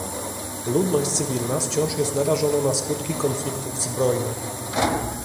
Ludność cywilna wciąż jest narażona na skutki konfliktów zbrojnych